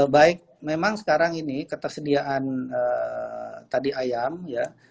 baik memang sekarang ini ketersediaan tadi ayam ya